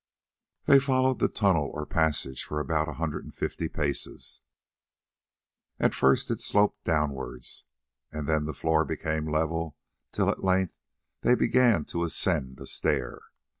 They followed the tunnel or passage for about a hundred and fifty paces; at first it sloped downwards, then the floor became level till at length they began to ascend a stair.